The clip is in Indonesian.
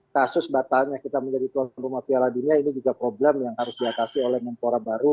kasus batalnya kita menjadi tuan rumah piala dunia ini juga problem yang harus diatasi oleh mempora baru